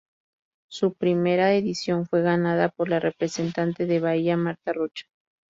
Su primera edición fue ganada por la representante de Bahía, Martha Rocha.